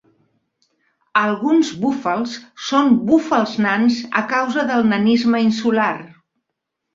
Alguns búfals són búfals nans a causa del nanisme insular.